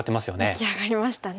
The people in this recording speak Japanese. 出来上がりましたね。